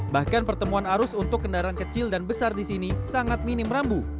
bahkan pertemuan arus untuk kendaraan kecil dan besar di sini sangat minim rambu